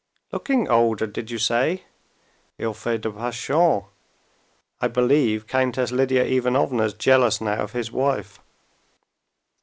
"Looking older, did you say? Il fait des passions. I believe Countess Lidia Ivanovna's jealous now of his wife."